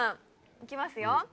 いきますよ